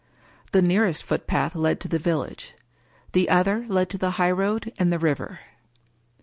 The nearest footpath led to the village. The other led to the highroad and the river.